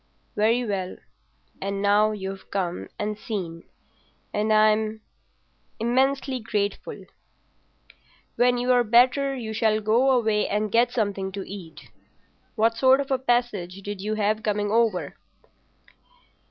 "Very well. And now you've come and seen, and I'm—immensely grateful. When you're better you shall go away and get something to eat. What sort of a passage did you have coming over?"